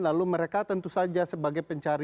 lalu mereka tentu saja sebagai pencari